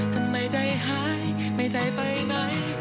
ท่านไม่ได้หายไม่ได้ไปไหน